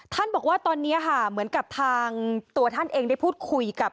ท่านบอกว่าตอนนี้เหมือนกับทางตัวท่านได้พูดคุยกับ